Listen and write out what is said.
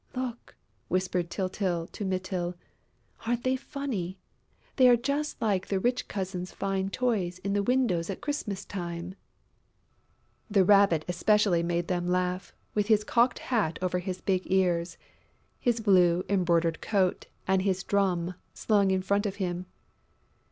"Look!" whispered Tyltyl to Mytyl. "Aren't they funny? They are just like the rich children's fine toys in the windows at Christmas time." The Rabbit especially made them laugh, with his cocked hat over his big ears, his blue, embroidered coat and his drum slung in front of him.